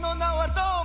どーも！